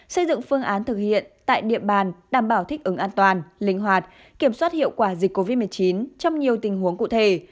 xây dựng phương án thực hiện tại địa bàn đảm bảo thích ứng an toàn linh hoạt kiểm soát hiệu quả dịch covid một mươi chín trong nhiều tình huống cụ thể